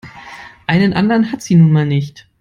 Einen anderen hat sie nun mal nicht.